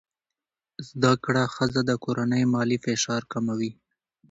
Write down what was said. زده کړه ښځه د کورنۍ مالي فشار کموي.